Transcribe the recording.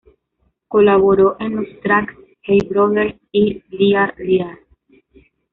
Colaboró en los tracks "Hey Brother" y "Liar Liar".